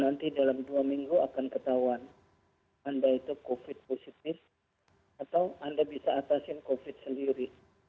nanti dalam dua minggu akan ketahuan anda itu covid positif atau anda bisa atasin covid sendiri